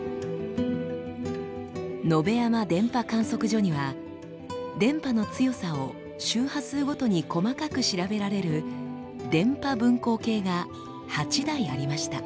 野辺山電波観測所には電波の強さを周波数ごとに細かく調べられる「電波分光計」が８台ありました。